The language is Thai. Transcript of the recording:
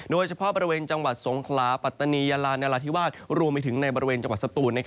โดยเฉพาะบริเวณจังหวัดสงขลาปัตตานียาลานราธิวาสรวมไปถึงในบริเวณจังหวัดสตูน